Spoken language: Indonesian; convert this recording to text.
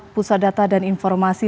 pusat data dan informasi